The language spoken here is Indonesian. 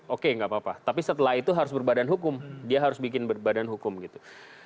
oke nggak apa apa tapi setelah itu harus berbadan hukum dia harus bikin berbadan hukum gitu